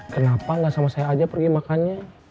kenapa gak sama saya aja pergi makannya